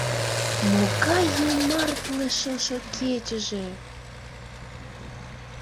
Могай йомартле шошо кечыже!